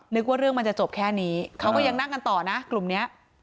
นึกว่าเรื่องมันจะจบแค่นี้เขาก็ยังนั่งกันต่อนะกลุ่มนี้